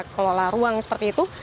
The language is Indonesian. kepala ruang seperti itu